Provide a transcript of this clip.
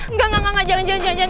nggak jangan jangan